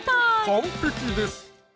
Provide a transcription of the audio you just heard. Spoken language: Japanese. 完璧です